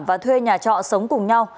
và thuê nhà trọ sống cùng nhau